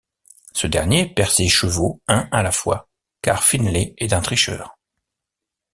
Ce dernier perd ses chevaux un à la fois, car Finlay est un tricheur.